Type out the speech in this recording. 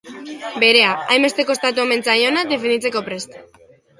Berea, hainbeste kostatu omen zaiona, defenditzeko prest.